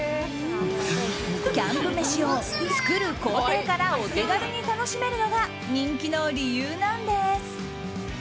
キャンプ飯を作る工程からお手軽に楽しめるのが人気の理由なんです。